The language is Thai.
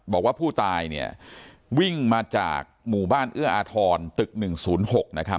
บอกว่าผู้ตายเนี้ยวิ่งมาจากหมู่บ้านเอื้ออทรตึกหนึ่งศูนย์หกนะครับ